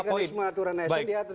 mekanisme aturan asn diatur